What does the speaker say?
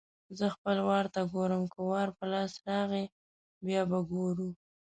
زه خپل وار ته ګورم؛ که وار په لاس راغی - بیا به ګورو.